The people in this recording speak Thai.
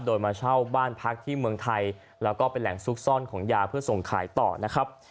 โดยมาเช่าบ้านพักที่เมืองไทยแล้วก็เป็นแหล่งซุกซ่อนของยาเพื่อส่งขายต่อนะครับ